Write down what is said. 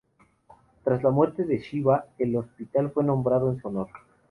Tras la muerte de Sheba, el hospital fue renombrado en su honor.